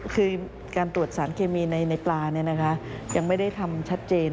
คือการตรวจสารเคมีในปลายังไม่ได้ทำชัดเจน